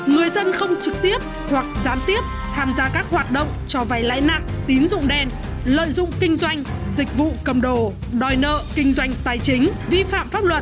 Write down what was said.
người dân không trực tiếp hoặc gián tiếp tham gia các hoạt động cho vay lãi nặng tín dụng đen lợi dụng kinh doanh dịch vụ cầm đồ đòi nợ kinh doanh tài chính vi phạm pháp luật